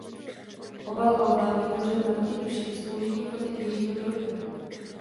Obal alba vytvořil Martin Dušek s použitím fotek Jiřího Turka.